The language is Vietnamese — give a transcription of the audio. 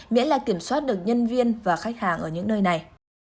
miễn là kiểm soát được nhân viên và khách hàng ở những nơi này